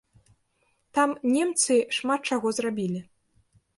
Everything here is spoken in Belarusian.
Там немцы шмат чаго зрабілі.